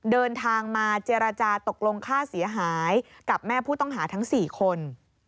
เดินทางมาเจรจาตกลงค่าเสียหายกับแม่ผู้ต้องหาทั้ง๔คน